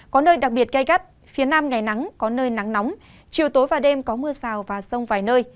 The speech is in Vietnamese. có nơi đặc biệt cay cắt phía nam ngày nắng có nơi nắng nóng chiều tối và đêm có mưa sào và sông vài nơi